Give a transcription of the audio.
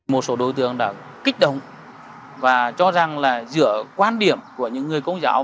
một số đối tượng đã kích động và cho rằng là giữa quan điểm của những người công giáo